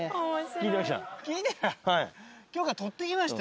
聞いてた？